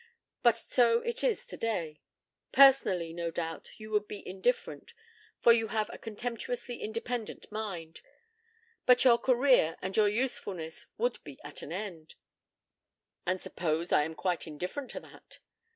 But so it is today. Personally, no doubt, you would be indifferent, for you have a contemptuously independent mind. But your career and your usefulness would be at an end." "And suppose I am quite indifferent to that?"